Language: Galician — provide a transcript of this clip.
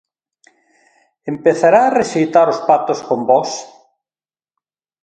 ¿Empezará a rexeitar os pactos con Vox?